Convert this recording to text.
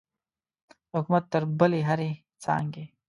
د حکومت تر بلې هرې څانګې.